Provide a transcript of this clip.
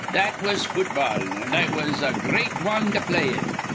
"That was futball, an' I was a great wan to play it.